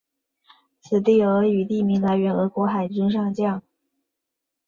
此地俄语地名来源俄国海军上将。